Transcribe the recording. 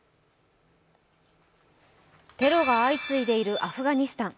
テロが相次いでいるアフガニスタン。